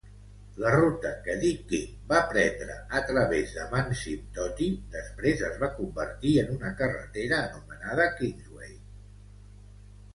La ruta que Dick King va prendre a través d'Amanzimtoti després es va convertir en una carretera anomenada Kingsway.